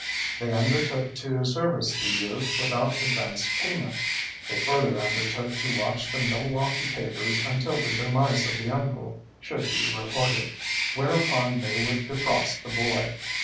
They undertook to service the youth without advance payment. They further undertook to watch the Milwaukee papers until the demise of the uncle should be reported, whereupon they would defrost the boy.